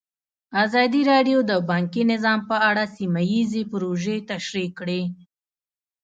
ازادي راډیو د بانکي نظام په اړه سیمه ییزې پروژې تشریح کړې.